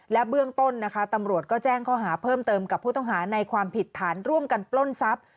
และเบื้องต้นนะคะตำรวจก็แจ้งข้อหาเพิ่มเติมกับผู้ต้องหาในความผิดฐานร่วมกันปล้นทรัพย์